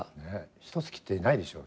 ひと月ってないでしょ？